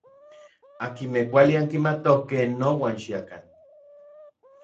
Akinmej kuali ankimatokej, nouan xiakan.